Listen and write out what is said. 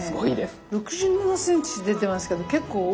６７ｃｍって出てますけど結構。